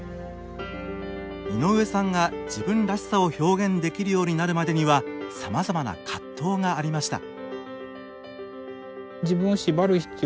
井上さんが自分らしさを表現できるようになるまでにはさまざまな葛藤がありました。